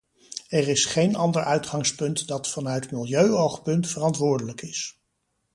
Er is geen ander uitgangspunt dat vanuit milieuoogpunt verantwoordelijk is.